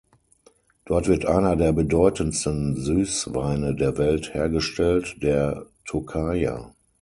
Dort wird einer der bedeutendsten Süßweine der Welt hergestellt, der Tokajer.